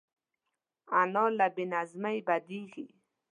انا له بې نظمۍ بدېږي